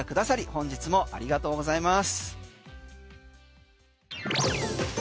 本日もありがとうございます。